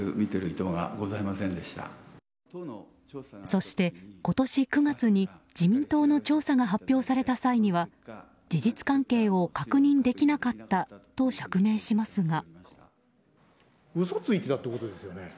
そして、今年９月に自民党の調査が発表された際には事実関係を確認できなかったと釈明しますが。